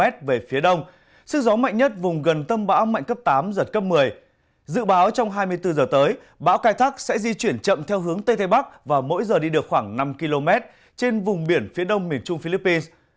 trong hai mươi bốn đến bốn mươi tám giờ tiếp theo bão cai thác di chuyển theo hướng tây mỗi giờ đi được khoảng từ năm đến một mươi km trên khu vực miền trung của philippines